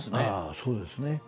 ああそうですね。